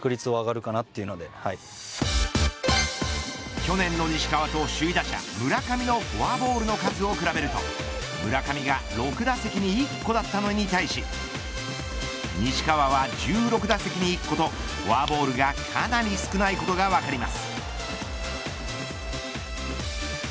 去年の西川と、首位打者村上のフォアボールの数を比べると村上が６打席に１個だったのに対し西川は１６打席に１個とフォアボールがかなり少ないことが分かります。